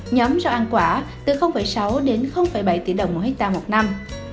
nhóm rau ăn quả từ sáu bảy tỷ đồng một ha một năm